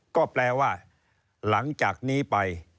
ก็แปลว่าหลังจากนี้ไป